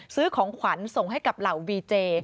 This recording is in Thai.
ซื้อของขวัญส่งให้กับเหล่าวีเจ